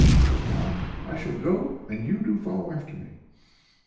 she would reply, "I shall go, and do you follow after me!"